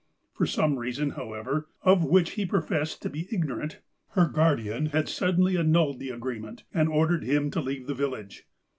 For some reason, however, of which he professed to be ignorant, her guardian had suddenly annulled the engagement, and ordered him to leave the village.